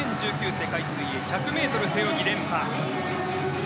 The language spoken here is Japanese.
世界水泳１００ｍ背泳ぎ連覇。